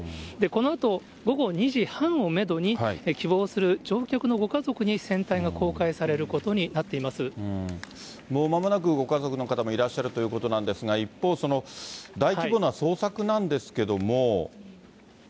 このあと、午後２時半をメドに、希望する乗客のご家族に船体が公もうまもなく、ご家族の方もいらっしゃるということなんですが、一方、大規模な捜索なんですけれども。